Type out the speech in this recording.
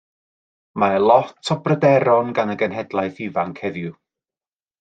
Mae lot o bryderon gan y genhedlaeth ifanc heddiw.